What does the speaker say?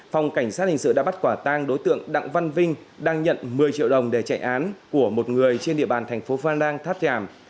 phòng cảnh sát hình sự đã bắt quả tang đối tượng đặng văn vinh đang nhận một mươi triệu đồng để chạy án của một người trên địa bàn thành phố phan rang tháp tràm